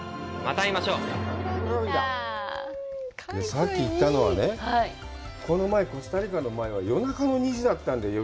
さっき言ったのはね、この前コスタリカの前は夜中の２時だったんだよ。